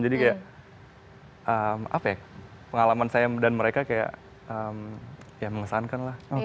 jadi kayak apa ya pengalaman saya dan mereka kayak ya mengesankan lah